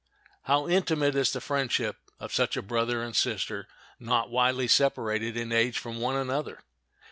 How intimate is the friendship of such a brother and sister not widely separated in age from one another!